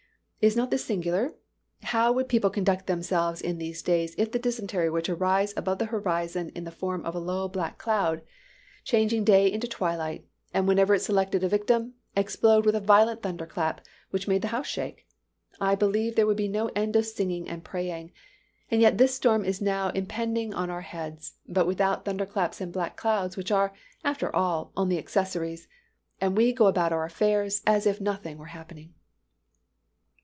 Is not this singular? How would people conduct themselves in these days if the dysentery was to rise above the horizon in the form of a low black cloud, changing day into twilight, and whenever it selected a victim, explode with a violent thunder clap, which made the house shake? I believe there would be no end of singing and praying. And yet this storm is now impending on our heads but without thunder claps and black clouds, which are, after all, only accessories and we go about our affairs as if nothing were happening."